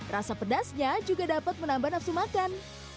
rasa pedasnya juga dapat menambah nafsu makan